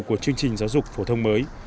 của chương trình giáo dục phổ thông mới